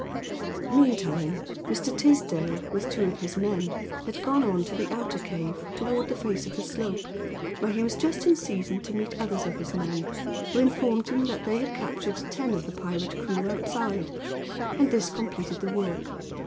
Meantime Mr. Tisdale, with two of his men, had gone on to the outer cave, toward the face of the slope, where he was just in season to meet others of his men, who informed him that they had captured ten of the pirate crew outside. And this completed the work.